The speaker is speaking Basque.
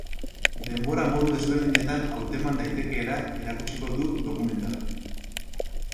Denbora modu ezberdinetan hauteman daitekeela erakutsiko du dokumentalak.